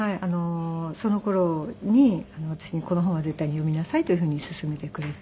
その頃に私に「この本は絶対に読みなさい」というふうに勧めてくれて。